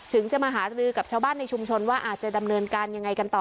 ถึงจะมาหารือกับชาวบ้านในชุมชนว่าอาจจะดำเนินการยังไงกันต่อ